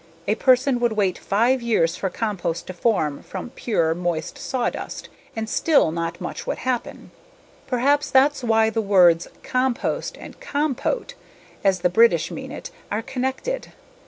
A person could wait five years for compost to form from pure moist sawdust and still not much would happen. Perhaps that's why the words "compost" and "compot" as the British mean it, are connected.